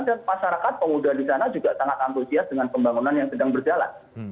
dan masyarakat pengguna di sana juga sangat antusias dengan pembangunan yang sedang berjalan